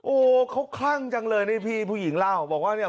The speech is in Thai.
โอ้โหเขาคลั่งจังเลยนี่พี่ผู้หญิงเล่าบอกว่าเนี่ย